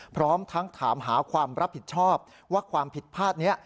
พร้อมทั้งถามหาความรับผิดชอบว่าความผิดพลาดนี้